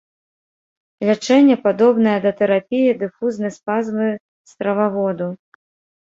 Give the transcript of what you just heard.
Лячэнне падобнае да тэрапіі дыфузнай спазмы страваводу.